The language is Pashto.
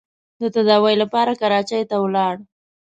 د تداوۍ لپاره کراچۍ ته ولاړ.